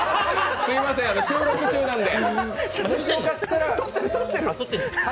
すみません、収録中なんで。